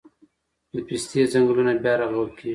د پستې ځنګلونه بیا رغول کیږي